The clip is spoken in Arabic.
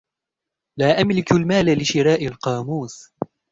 لا أملك المال لشراء القاموس.